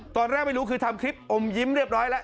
ตอนแรกไม่รู้คือทำคลิปอมยิ้มเรียบร้อยแล้ว